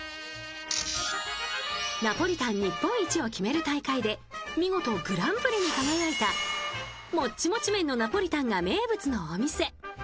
ナポリタン日本一を決める大会で見事グランプリに輝いたモチモチ麺のナポリタンが名物のお店。